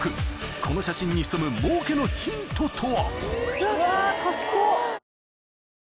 ［この写真に潜む儲けのヒントとは？］